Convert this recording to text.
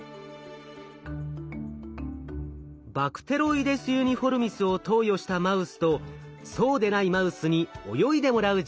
バクテロイデス・ユニフォルミスを投与したマウスとそうでないマウスに泳いでもらう実験。